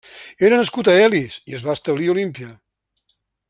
Era nascut a Elis i es va establir a Olímpia.